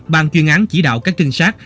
bàn chuyên án chỉ đạo các trinh sát